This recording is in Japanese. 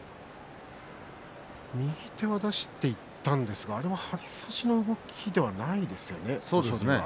右手は出していったんですが張り差しの動きではないですよね。